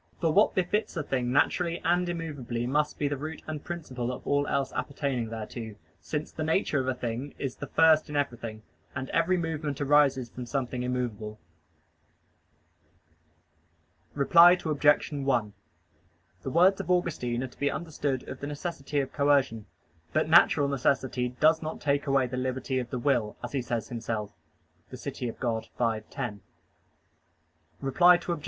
For what befits a thing naturally and immovably must be the root and principle of all else appertaining thereto, since the nature of a thing is the first in everything, and every movement arises from something immovable. Reply Obj. 1: The words of Augustine are to be understood of the necessity of coercion. But natural necessity "does not take away the liberty of the will," as he says himself (De Civ. Dei v, 10). Reply Obj.